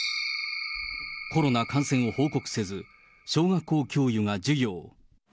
コロナ感染を報告せず、小学校教諭が授業。